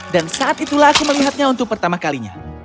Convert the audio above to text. dan saat itulah aku melihatnya untuk pertama kalinya